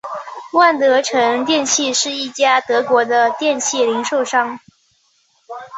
万得城电器是一家德国的电器零售商。